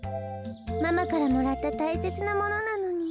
ママからもらったたいせつなものなのに。